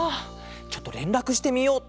ちょっとれんらくしてみよう。